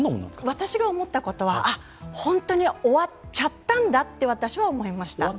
私が思ったことは、本当に終わっちゃったんだと私は思いました。